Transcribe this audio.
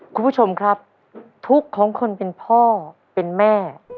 คุณผู้ชมครับทุกข์ของคนเป็นพ่อเป็นแม่